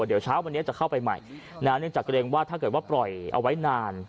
เดี๋ยวเช้าวันนี้จะเข้าไปใหม่เนื่องจากเกรงว่าถ้าเกิดว่าปล่อยเอาไว้นาน